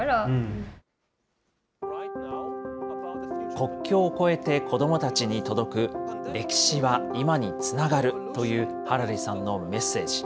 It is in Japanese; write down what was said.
国境を越えて子どもたちに届く、歴史は今につながるというハラリさんのメッセージ。